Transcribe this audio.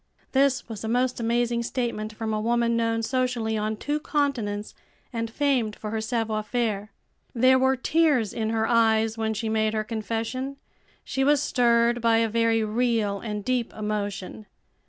This was a most amazing statement from a woman known socially on two continents, and famed for her savoir faire. There were tears in her eyes when she made her confession. She was stirred by a very real and deep emotion.